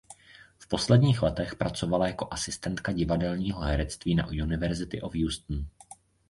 V posledních letech pracovala jako asistentka divadelního herectví na University of Houston.